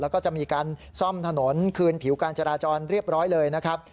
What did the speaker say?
แล้วก็จะมีการซ่อมถนนคืนผิวการจราจรเรียบร้อยเลยนะครับ